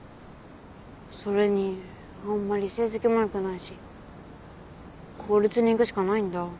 それにあんまり成績も良くないし公立に行くしかないんだ。